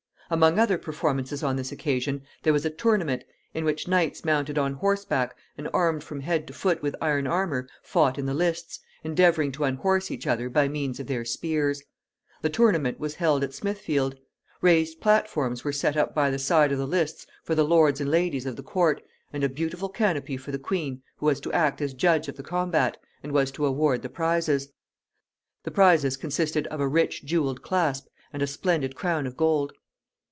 Among other performances on this occasion there was a tournament, in which knights mounted on horseback, and armed from head to foot with iron armor, fought in the lists, endeavoring to unhorse each other by means of their spears. The tournament was held at Smithfield. Raised platforms were set up by the side of the lists for the lords and ladies of the court, and a beautiful canopy for the queen, who was to act as judge of the combat, and was to award the prizes. The prizes consisted of a rich jeweled clasp and a splendid crown of gold.